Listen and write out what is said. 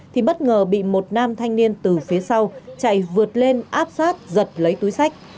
thì bất ngờ bị một nam thanh niên từ phía sau chạy vượt lên áp sát giật lấy túi sách